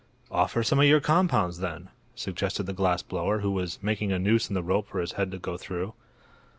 "Offer some of your compounds, then," suggested the glass blower, who was making a noose in the rope for his head to go through.